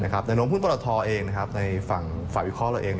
แต่หลวงหุ้นประตอธรเองในฝั่งฝ่าวิเคราะห์เราเอง